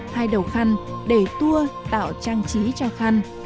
hai đầu khăn để tour tạo trang trí cho khăn